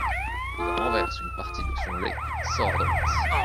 Il renverse une partie de son lait et sort à droite.